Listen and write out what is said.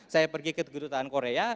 saya pergi ke kedudukan korea